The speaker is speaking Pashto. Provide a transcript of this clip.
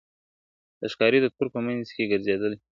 د ښکاري د تور په منځ کي ګرځېدلې `